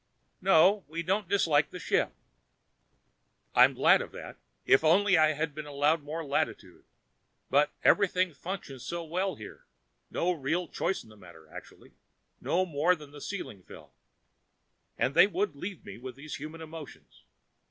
"No; we don't dislike the ship." "I am glad of that if only I had been allowed more latitude! But everything functions so well here; no real choice in the matter, actually. No more than the Sealing Film. And they would leave me with these human emotions!